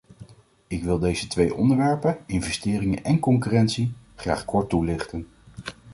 Ik wil deze twee onderwerpen - investeringen en concurrentie - graag kort toelichten.